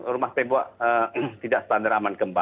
rumah tembok tidak standar aman gempa